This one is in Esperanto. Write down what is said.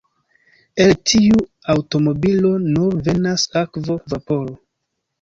El tiu aŭtomobilo nur venas akvo-vaporo.